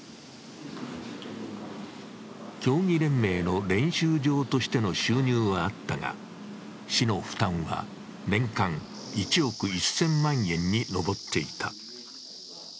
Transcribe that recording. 競技連盟の練習場としての収入はあったが、市の負担は年間１億１０００万円に上っていた。